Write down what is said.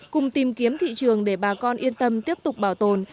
cùng tìm kiếm thị trường để bà con yên tâm tiếp tục bảo tồn